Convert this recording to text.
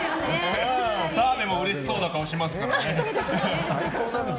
澤部もうれしそうな顔しますからね。